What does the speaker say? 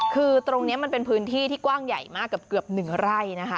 คือตรงนี้มันเป็นพื้นที่ที่กว้างใหญ่มากเกือบ๑ไร่นะคะ